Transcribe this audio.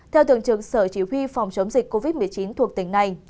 theo thượng trưởng sở chỉ huy phòng chống dịch covid một mươi chín thuộc tỉnh này